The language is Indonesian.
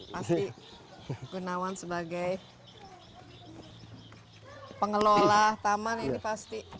pasti gunawan sebagai pengelola taman ini pasti